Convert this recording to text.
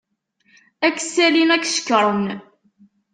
Ad k-sallin ad k-cekṛen.